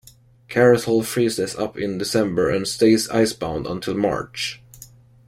Karatal freezes up in December and stays icebound until March.